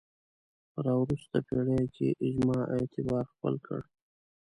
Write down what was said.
په راوروسته پېړیو کې اجماع اعتبار خپل کړ